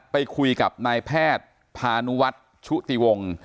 ไปคุยกับนายแพทย์พานุวัฒน์ชุติวงศ์